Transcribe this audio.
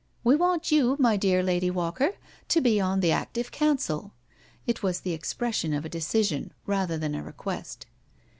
We want you, my dear Lady Walker, to be on the active council." It was the expression of a decision, rather than a request.